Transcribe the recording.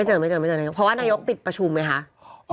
เพราะว่านายกปิดประชุมไหมค่ะ